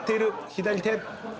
左手。